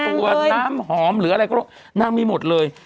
ครีมภารกรรมน้ำหอมหรืออะไรก็น่ามีหมดเลย